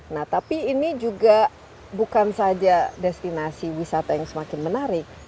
nah tapi ini juga bukan saja destinasi wisata yang semakin menarik